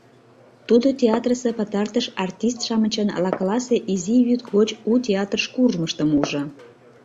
Тудо театрысе пытартыш артист-шамычын лакыласе изи вӱд гоч у театрыш куржмыштым ужо.